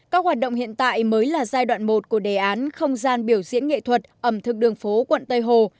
các hoạt động hiện tại mới là giai đoạn một của đề án không gian biểu diễn nghệ thuật ẩm thực đường phố quận tây hồ